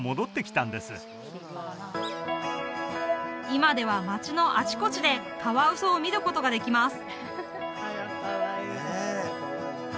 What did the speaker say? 今では街のあちこちでカワウソを見ることができます